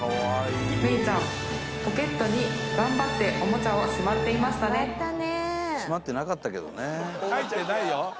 メイちゃんポケットにがんばっておもちゃをしまっていましたね入ってないよ